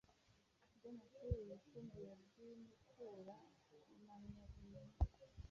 rw’Amashuri yisumbuye rw’i Mukura.Impamyabumenyi